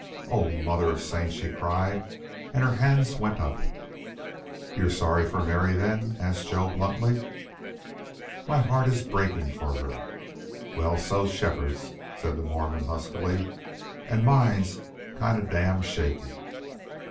"O Mother of Saints!" she cried, and her hands went up. "You're sorry for Mary, then?" asked Joe, bluntly. "My heart is breaking for her." "Well, so's Shefford's," said the Mormon, huskily. "And mine's kind of damn shaky."